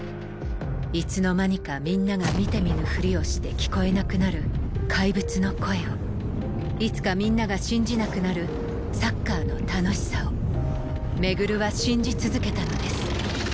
いつの間にかみんなが見て見ぬふりをして聞こえなくなるかいぶつの声をいつかみんなが信じなくなるサッカーの楽しさを廻は信じ続けたのです